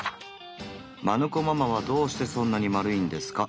「マヌ子ママはどうしてそんなに丸いんですか？」。